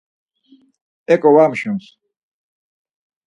Eǩo va mşuns.